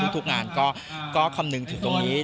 ทุกงานก็คำนึงถึงตรงนี้